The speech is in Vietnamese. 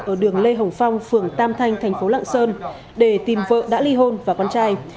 ở đường lê hồng phong phường tam thanh thành phố lạng sơn để tìm vợ đã ly hôn và con trai